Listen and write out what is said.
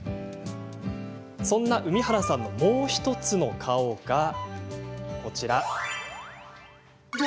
そんな海原さんのもう１つの顔が。